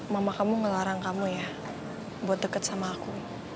mama kamu ngelarang kamu ya buat dekat sama aku